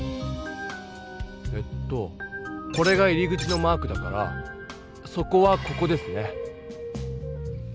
えっとこれが入り口のマークだから底はここですね。